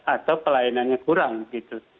atau pelayanannya kurang begitu